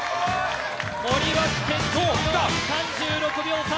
森脇健児、健闘、３６秒差。